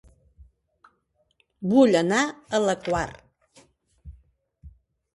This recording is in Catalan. Vull anar a La Quar